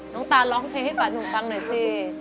น้องตานร้องเพลงให้ป่านุ่มฟังหน่อยสิ